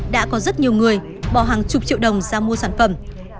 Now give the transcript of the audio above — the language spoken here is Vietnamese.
đã có rất nhiều người bỏ hàng chục triệu đồng ra mua sản phẩm